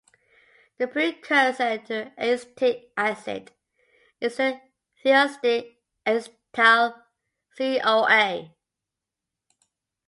The precursor to acetic acid is the thioester acetyl CoA.